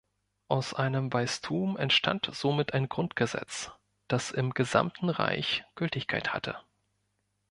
Aus einem Weistum entstand somit ein Grundgesetz, das im gesamten Reich Gültigkeit hatte.